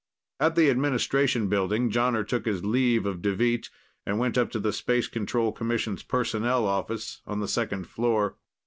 At the administration building, Jonner took his leave of Deveet and went up to the Space Control Commission's personnel office on the second floor.